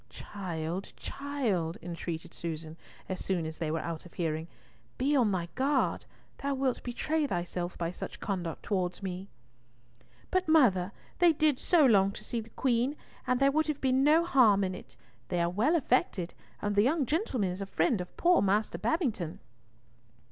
"Child, child," entreated Susan, as soon as they were out of hearing, "be on thy guard. Thou wilt betray thyself by such conduct towards me." "But, mother, they did so long to see the Queen, and there would have been no harm in it. They are well affected, and the young gentleman is a friend of poor Master Babington."